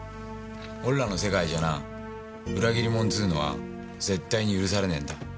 俺らの世界じゃな裏切りもんつうのは絶対に許されねぇんだ。